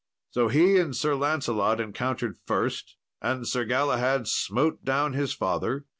So he and Sir Lancelot encountered first, and Sir Galahad smote down his father.